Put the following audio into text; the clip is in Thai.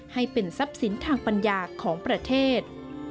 ให้เป็นทรัพย์สินทางปัญญาของประเทศ